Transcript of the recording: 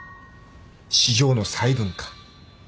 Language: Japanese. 市場の細分化。